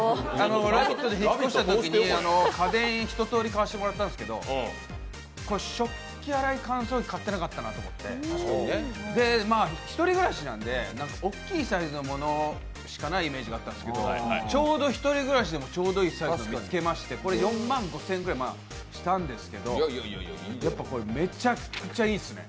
「ラヴィット！」で引っ越したときに家電、ひととおり買わせてもらったんですけど食器洗い乾燥機買ってなかったなと思って１人暮らしなんで、大きいサイズのものしかないイメージだったんですけどちょうど１人暮らしでもちょうどいいサイズを見つけましてこれ４万５０００円ぐらいしたんですけど、めちゃくちゃいいですね。